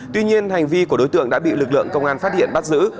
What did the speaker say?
tuy nhiên hành vi của đối tượng đã bị lực lượng công an phát hiện bắt giữ